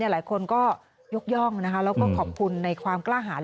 หลายคนก็ยกย่องแล้วก็ขอบคุณในความกล้าหาร